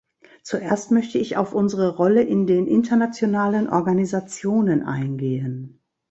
Zuerst möchte ich auf unsere Rolle in den internationalen Organisationen eingehen.